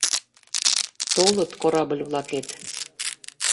Толыт корабль-влакет: